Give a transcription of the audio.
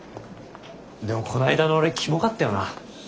でもこの間の俺キモかったよな。